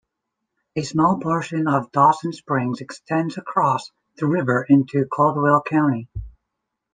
A small portion of Dawson Springs extends across the river into Caldwell County.